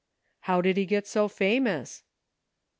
189 " How did he get so famous ?